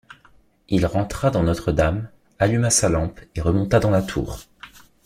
Il rentra dans Notre-Dame, alluma sa lampe et remonta dans la tour.